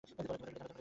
ভেতরে ফিরে যান।